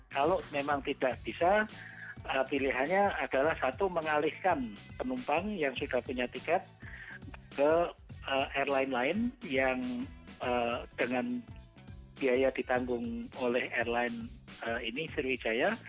kalau memang tidak bisa pilihannya adalah satu mengalihkan penumpang yang sudah punya tiket ke airline lain yang dengan biaya ditanggung oleh airline ini sriwijaya